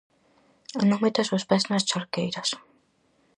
Non metas os pés nas charqueiras.